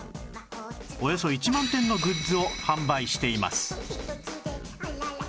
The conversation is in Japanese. およそ１万点のグッズを販売しています